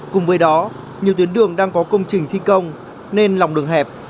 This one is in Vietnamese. cùng với đó nhiều tuyến đường đang có công trình thi công nên lòng đường hẹp